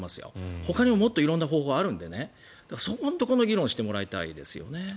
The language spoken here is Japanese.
ほかにももっと色んな方法があるのでそこのところの議論をしてもらいたいですよね。